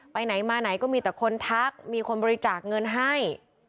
ไปไหนมาไหนก็มีแต่คนทักมีคนบริจาคเงินให้